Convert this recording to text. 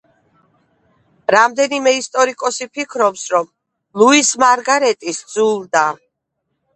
რამდენიმე ისტორიკოსი ფიქრობს, რომ ლუის მარგარეტი სძულდა.